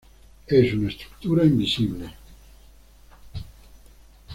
Es una estructura invisible.